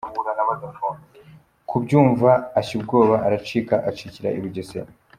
kubyumva ashya ubwoba aracika; acikira i Bugesera.